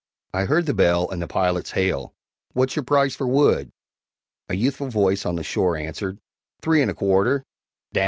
I heard the bell and the pilot's hail, "What's' your price for wood?" A youthful voice on the shore answered, "Three and a quarter!" "D nèt!"